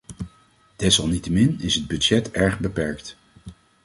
Desalniettemin is het budget erg beperkt.